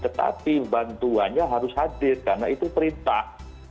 tetapi bantuannya harus hadir karena itu perintah